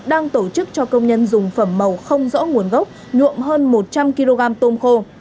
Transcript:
đang tổ chức cho công nhân dùng phẩm màu không rõ nguồn gốc nhuộm hơn một trăm linh kg tôm khô